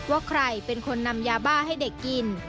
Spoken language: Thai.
ว่าใครเป็นคนนำยาบ้าให้เด็กกิน